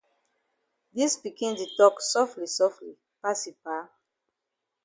Dis pikin di tok sofli sofli pass yi pa.